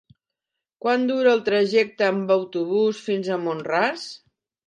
Quant dura el trajecte en autobús fins a Mont-ras?